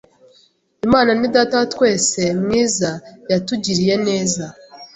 Imana ni Data wa twese mwiza, yatugiriye neza